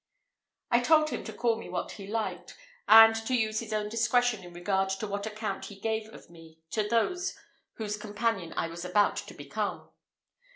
I told him to call me what he liked, and to use his own discretion in regard to what account he gave of me to those, whose companion I was about to become.